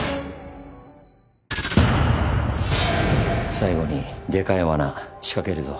最後にでかい罠仕掛けるぞ。